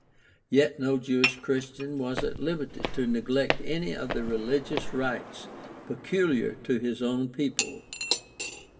Yet no Jewish Christian was at liberty to neglect any of the reli gious rites peculiar to his own people (cf